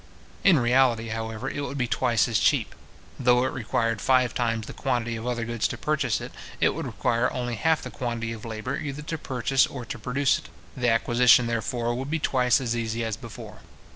In reality, however, it would be twice as cheap. Though it required five times the quantity of other goods to purchase it, it would require only half the quantity of labour either to purchase or to produce it. The acquisition, therefore, would be twice as easy as before.